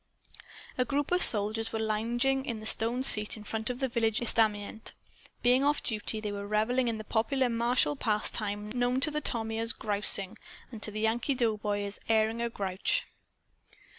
A group of soldiers were lounging on the stone seat in front of the village estaminet. Being off duty, they were reveling in that popular martial pastime known to the Tommy as "grousing" and to the Yankee doughboy as "airing a grouch."